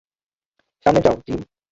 সামনে যাও, জিম।